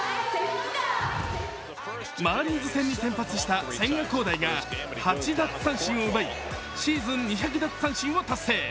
マーリンズ戦に先発した千賀滉大が８奪三振を奪い、シーズン２００奪三振を達成。